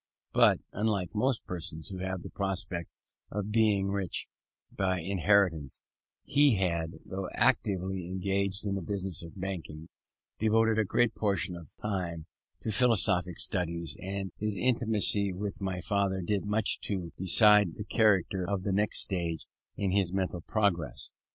But, unlike most persons who have the prospect of being rich by inheritance, he had, though actively engaged in the business of banking, devoted a great portion of time to philosophic studies; and his intimacy with my father did much to decide the character of the next stage in his mental progress.